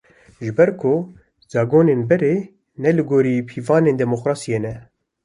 Ji ber ku zagonên berê, ne li gorî pîvanên demokrasiyê ne